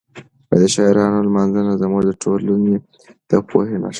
د شاعرانو لمانځنه زموږ د ټولنې د پوهې نښه ده.